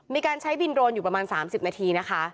มีการใช้บินโรนอยู่ประมาณ๓๐นาทีนะคะ